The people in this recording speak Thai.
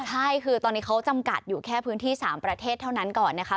ใช่คือตอนนี้เขาจำกัดอยู่แค่พื้นที่๓ประเทศเท่านั้นก่อนนะคะ